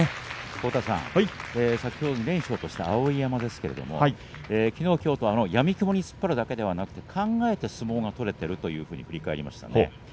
先ほど二連勝した碧山ですがきのう、きょうとやみくもに突っ張るのじゃなく考えて相撲が取れているというふうに振り返っていました。